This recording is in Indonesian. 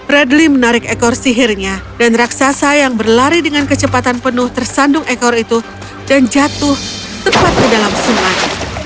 radly menarik ekor sihirnya dan raksasa yang berlari dengan kecepatan penuh tersandung ekor itu dan jatuh tepat ke dalam sungai